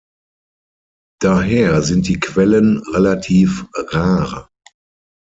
Daher sind die Quellen relativ rar.